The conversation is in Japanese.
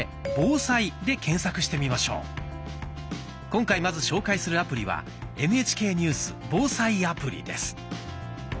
今回まず紹介するアプリは「ＮＨＫニュース・防災アプリ」です。